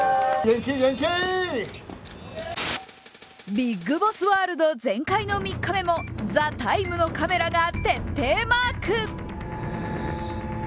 ビッグボスワールド全開の３日目も「ＴＨＥＴＩＭＥ，」のカメラが徹底マーク。